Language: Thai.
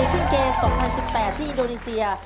เช่นเกม๒๐๑๘ที่อินโดนีเซีย